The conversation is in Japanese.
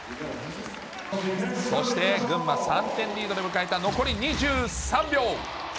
そして群馬３点リードで迎えた残り２３秒。